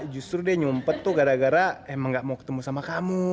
justru dia nyumpet tuh gara gara emang gak mau ketemu sama kamu